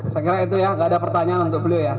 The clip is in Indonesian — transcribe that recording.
saya kira itu ya nggak ada pertanyaan untuk beliau ya